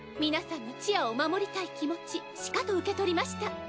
皆さんのちあを守りたい気持ちしかと受け取りました。